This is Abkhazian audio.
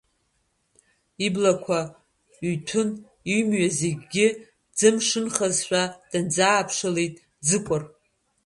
Иблақәа ҩҭәын, имҩа зегьгьы ӡымшынхазшәагьы дынӡааԥшылеит Ӡыкәыр.